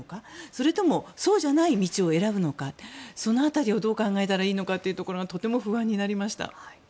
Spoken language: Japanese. それともそうじゃない道を選ぶのかその辺りをどう考えたらいいのかというのがとても不安になりました。